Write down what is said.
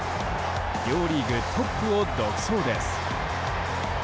両リーグトップを独走です。